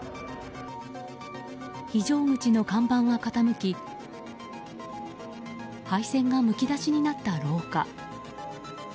非常口の看板が傾き配線がむき出しになった廊下。